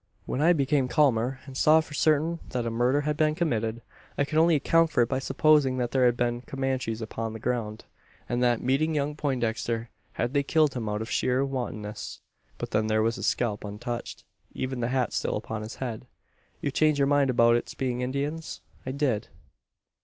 "When I became calmer, and saw for certain that a murder had been committed, I could only account for it by supposing that there had been Comanches upon the ground, and that, meeting young Poindexter, they had killed him out of sheer wantonness. "But then there was his scalp untouched even the hat still upon his head!" "You changed your mind about its being Indians?" "I did."